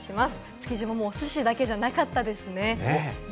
築地ももう、おすしだけじゃなかったですね。